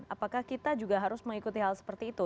apakah kita juga harus mengikuti hal seperti itu